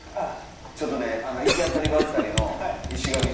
ちょっとね行き当たりばったりの石垣島の旅。